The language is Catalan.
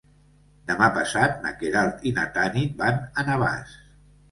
Demà passat na Queralt i na Tanit van a Navàs.